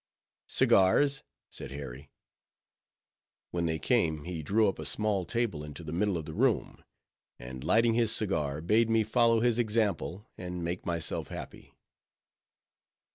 "Cigars," said Harry. When they came, he drew up a small table into the middle of the room, and lighting his cigar, bade me follow his example, and make myself happy.